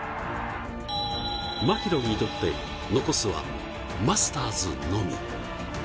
マキロイにとって残すはマスターズのみ。